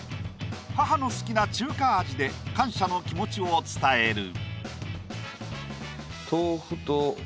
母の好きな中華味で感謝の気持ちを伝える。